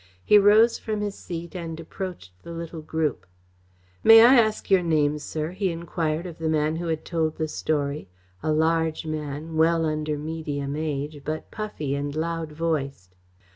He rose from his seat and approached the little group. "May I ask your name, sir?" he enquired of the man who had told the story; a large man, well under medium age, but puffy and loud voiced.